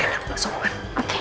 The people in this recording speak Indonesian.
ibu mau duluan